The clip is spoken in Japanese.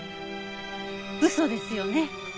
嘘ですよね？